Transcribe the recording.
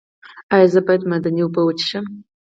ایا زه باید معدني اوبه وڅښم؟